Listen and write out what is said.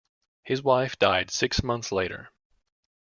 His wife died six months later.